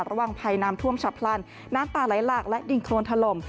ระหว่างภัยน้ำท่วมฉับพลันน้ำป่าไหลหลากและดินโครนถล่ม